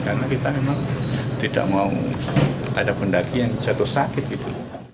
karena kita memang tidak mau ada pendaki yang jatuh sakit gitu